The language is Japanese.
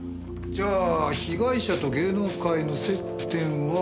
じゃあ被害者と芸能界の接点は？